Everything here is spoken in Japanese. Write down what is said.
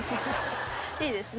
いいですね。